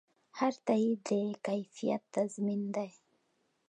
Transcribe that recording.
هر تایید د کیفیت تضمین دی.